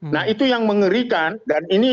nah itu yang mengerikan dan ini